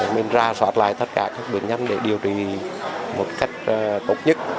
mình ra soát lại tất cả các bệnh nhân để điều trị một cách tốt nhất